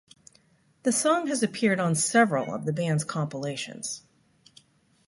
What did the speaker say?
The song has appeared on several of the band's compilations.